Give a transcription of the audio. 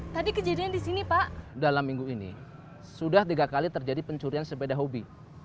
tadi kejadian di sini pak dalam minggu ini sudah tiga kali terjadi pencurian sepeda hobi